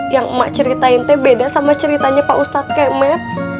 yang emak ceritain teh beda sama ceritanya pak ustad kayak med